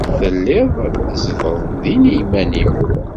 Telliḍ tzedɣeḍ din i yiman-nnem.